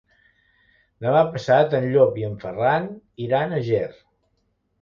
Demà passat en Llop i en Ferran iran a Ger.